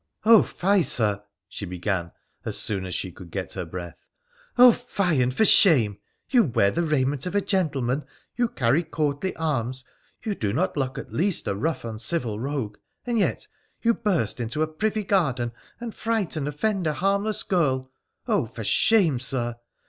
' Oh, fie, Sir !' she began, as soon as she could get her breath. ' Oh ! fie, and for shame ! You wear the raiment of a gentleman, you carry courtly arms, you do not look at least a rough, uncivil rogue, and yet you burst into a privy garden and fright and offend a harmless girl— oh ! for shame, Sir